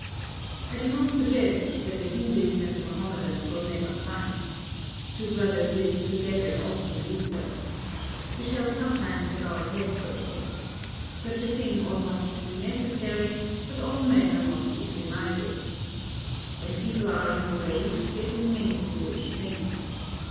I do not suggest that the Hindus and the Mahomedans will never fight. Two brothers living together often do so. We shall sometimes have our heads broken. Such a thing ought not to be necessary, but all men are not equiminded. When people are in a rage, they do many foolish things.